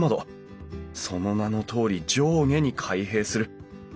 その名のとおり上下に開閉する。